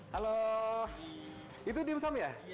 halo itu dimsum ya